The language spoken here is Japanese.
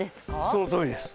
そのとおりです。